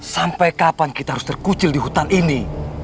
sampai kapan kita harus terkucil di hutan ini